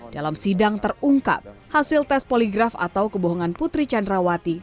dalam sidang terungkap hasil tes poligraf atau kebohongan putri candrawati